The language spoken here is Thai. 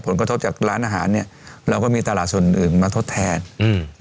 ผลกระทบจากร้านอาหารเนี้ยเราก็มีตลาดส่วนอื่นมาทดแทนอืม